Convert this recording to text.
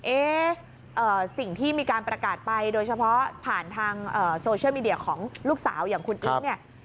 เอ๊ะสิ่งที่มีการประกาศไปโดยเฉพาะผ่านทางโซเชียลมีเดียของลูกสาวอย่างคุณอิ๊กเนี่ย